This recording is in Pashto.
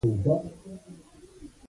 غیرتمند بد نیت ته اجازه نه ورکوي